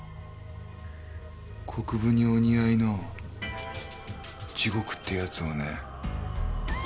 国府にお似合いの地獄ってやつをね。